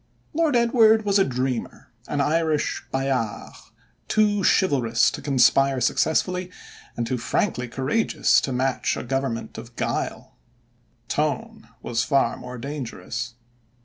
Lord Edward was a dreamer, an Irish Bayard, too chivalrous to conspire successfully and too frankly courageous to match a government of guile. Tone was far more dangerous.